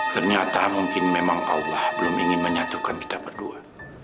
ternyata mungkin memang allah belum ingin menyatukan kita berdua